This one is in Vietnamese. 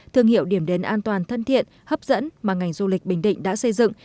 thương hiệu điểm đến an toàn thân thiện hấp dẫn mà ngành du lịch bình định đã xây dựng